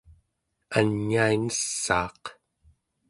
anainessaaq